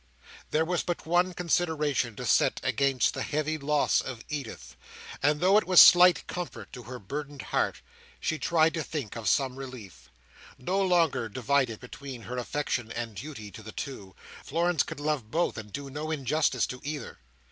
There was but one consideration to set against the heavy loss of Edith, and though it was slight comfort to her burdened heart, she tried to think it some relief. No longer divided between her affection and duty to the two, Florence could love both and do no injustice to either.